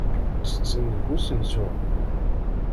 Ttetten deg usensu.